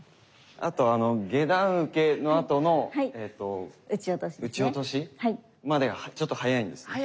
あと下段受けのあとの打ち落としまでがちょっと速いんですね。